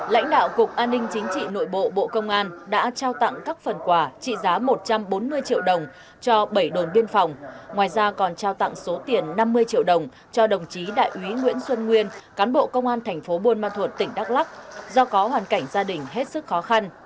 lãnh đạo cục an ninh chính trị nội bộ bộ công an đã trao tặng các phần quả trị giá một trăm bốn mươi triệu đồng cho bảy đường biên phòng ngoài ra còn trao tặng số tiền năm mươi triệu đồng cho đồng chí đại úy nguyễn xuân nguyên cán bộ công an tp buôn ma thuột tỉnh đắk lắk